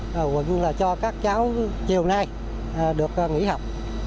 và vừa vừa là cho các cháu chiều nay được nghỉ học